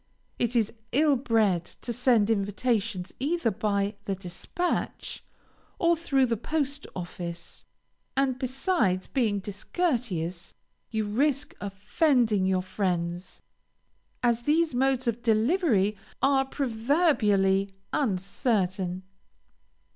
It is ill bred to send invitations either by the dispatch, or through the post office; and besides being discourteous, you risk offending your friends, as these modes of delivery are proverbially uncertain.